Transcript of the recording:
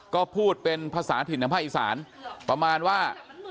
ก็พูดเป็นภาษาถิ่นทางภาคอีสานประมาณว่า